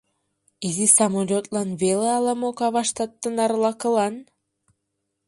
Изи самолетлан веле ала-мо каваштат тынар лакылан?